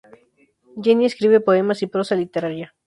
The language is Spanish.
Jenny escribe poemas y prosa literaria.